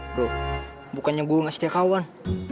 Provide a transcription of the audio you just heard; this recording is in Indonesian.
bro bukannya guru gak setia kawan